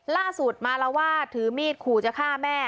ล่าสุดมารวาสถือมีดขู่จะฆ่าแม่